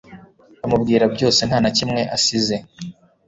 amubwira byose ntanakimwe asize